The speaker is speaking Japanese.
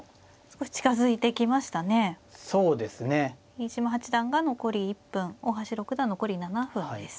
飯島八段が残り１分大橋六段残り７分です。